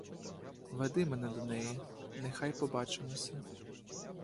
Веди мене до неї, нехай побачимося!